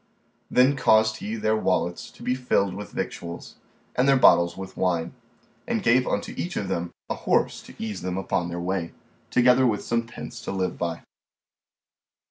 Then caused he their wallets to be filled with victuals and their bottles with wine, and gave unto each of them a horse to ease them upon the way, together with some pence to live by.